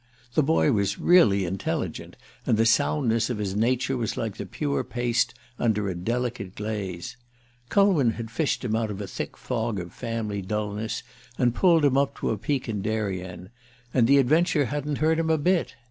The boy was really intelligent, and the soundness of his nature was like the pure paste under a delicate glaze. Culwin had fished him out of a thick fog of family dulness, and pulled him up to a peak in Darien; and the adventure hadn't hurt him a bit.